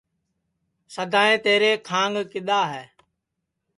سدائیں تیرے کھانگ کدؔا ہے